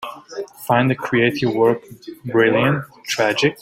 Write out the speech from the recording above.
Find the creative work Brilliant! Tragic!